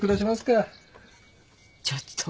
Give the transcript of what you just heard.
ちょっと。